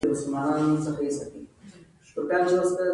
چرګان د شپې خوب ته ځي.